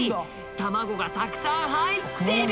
卵がたくさん入ってる。